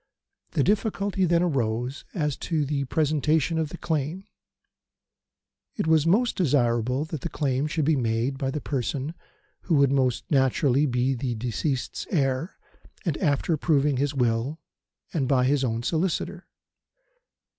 The difficulty then arose as to the presentation of the claim. It was most desirable that the claim should be made by the person who would most naturally be the deceased's heir and after proving his will and by his own solicitor.